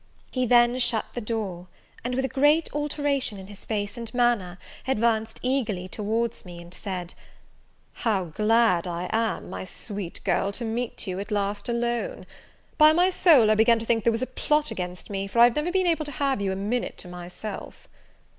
He then shut the door; and, with a great alteration in his face and manner, advanced eagerly towards me, and said, "How glad I am, my sweet girl, to meet you, at last, alone! By my soul I began to think there was a plot against me, for I've never been able to have you a minute to myself."